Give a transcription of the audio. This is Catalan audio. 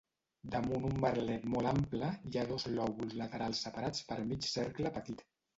Damunt un merlet molt ample hi ha dos lòbuls laterals separats per mig cercle petit.